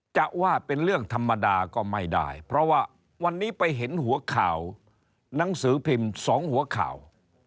จะว่าเป็นเรื่องธรรมดาก็ไม่ได้เพราะว่าวันนี้ไปเห็นหัวข่าวหนังสือพิมพ์สองหัวข่าว